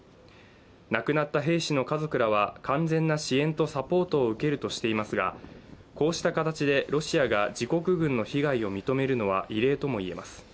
亡くなった兵士の家族らは完全な支援とサポートを受けるとしていますがこうした形でロシアが自国軍の被害を認めるのは異例ともいえます。